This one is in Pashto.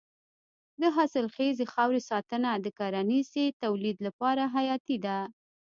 د حاصلخیزې خاورې ساتنه د کرنیزې تولید لپاره حیاتي ده.